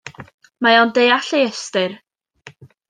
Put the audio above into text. Mae o'n deall ei ystyr.